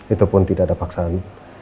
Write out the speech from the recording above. itu pun tidak ada paksaan